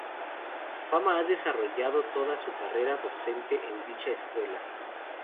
Fama ha desarrollado toda su carrera docente en dicha escuela.